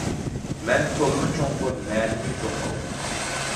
مەن تولىمۇ چوڭقۇر مەنىۋى زوق ئالدىم.